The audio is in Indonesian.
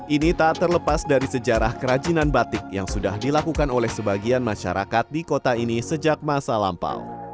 ini tak terlepas dari sejarah kerajinan batik yang sudah dilakukan oleh sebagian masyarakat di kota ini sejak masa lampau